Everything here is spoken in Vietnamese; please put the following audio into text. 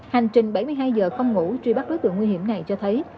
hành trình bảy mươi hai giờ không ngủ truy bắt đối tượng nguy hiểm này cho thấy